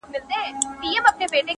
ماته جهاني د ګل پر پاڼو کیسې مه لیکه؛